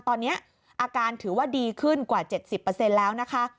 ตอนนี้อาการถือว่าดีขึ้นกว่า๗๐แล้วนะคะ